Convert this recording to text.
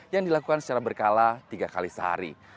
yang dilakukan secara berkala tiga kali sehari